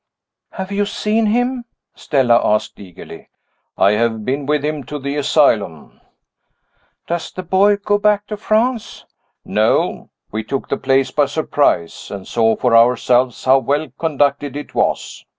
"Have you seen him?" Stella asked, eagerly. "I have been with him to the asylum." "Does the boy go back to France?" "No. We took the place by surprise, and saw for ourselves how well conducted it was.